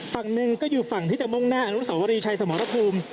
ฝั่งหนึ่งก็อยู่ฝั่งที่จะมุ่งหน้าอนุสวรีชัยสมรภูมิ